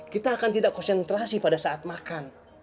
kita akan tidak konsentrasi pada saat makan